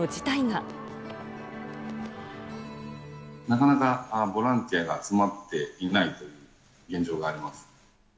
なかなかボランティアが集まっていないという現状があります。